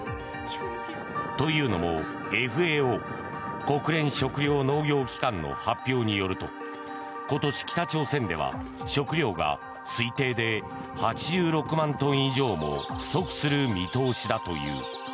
というのもＦＡＯ・国連食糧農業機関の発表によると今年、北朝鮮では食糧が推定で８６万トン以上も不足する見通しだという。